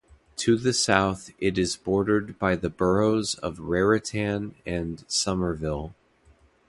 To the south it is bordered by the boroughs of Raritan and Somerville.